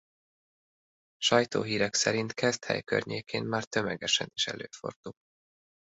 Sajtóhírek szerint Keszthely környékén már tömegesen is előfordul.